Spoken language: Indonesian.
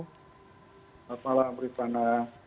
selamat malam rifana